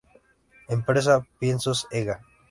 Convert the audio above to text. Empresa Piensos Ega.